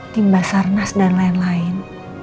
timba sarnas dan lain lain